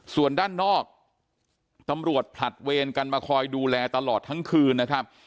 ส่วนด้านนอกตำรวจผลัดเวรกันมาคอยดูแลตลอดทั้งคืนนะครับ